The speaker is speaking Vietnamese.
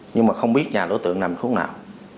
nhưng mà không biết nhà đối tượng nằm khúc nào